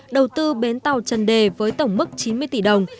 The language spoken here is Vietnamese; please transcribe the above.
đầu tư bến tàu trần đề với tổng mức chín mươi tỷ đồng